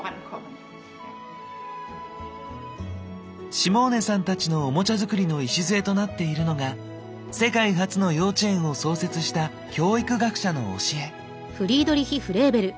シモーネさんたちのオモチャ作りの礎となっているのが世界初の幼稚園を創設した教育学者の教え。